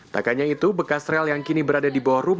takannya itu bekas rel yang kini berada di dalam bangunan menara air